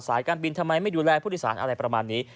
การบินทำไมไม่ดูแลผู้โดยสารอะไรประมาณนี้